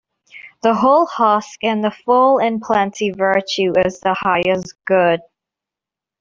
The hull husk and the full in plenty Virtue is the highest good.